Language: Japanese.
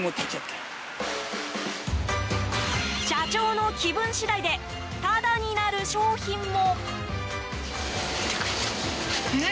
社長の気分次第でタダになる商品も。